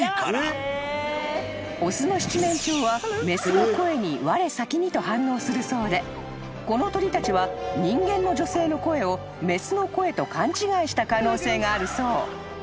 ［雌の声にわれ先にと反応するそうでこの鳥たちは人間の女性の声を雌の声と勘違いした可能性があるそう］